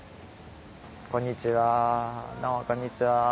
こんにちはどうもこんにちは。